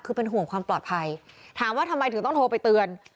คือเป็นห่วงความปลอดภัยถามว่าทำไมถึงต้องโทรไปเตือน